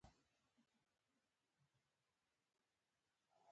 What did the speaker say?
او په ښکاره مخ نندارې ته ودرېده